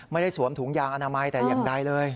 สวมถุงยางอนามัยแต่อย่างใดเลย